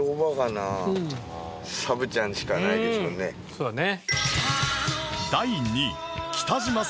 そうだね。